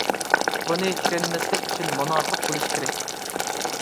بۇنى چۈشەنمەسلىك ئۈچۈن مۇناپىق بولۇشى كېرەك.